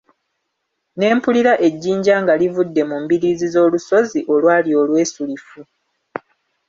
Ne mpulira ejjinja nga livudde mu mbiriizi z'olusozi olwali olwesulifu.